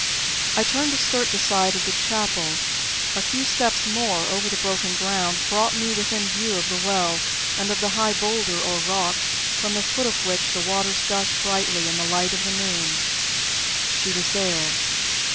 I turned to skirt the side of the chapel. A few steps more over the broken ground brought me within view of the Well, and of the high boulder or rock from the foot of which the waters gushed brightly in the light of the moon. She was there.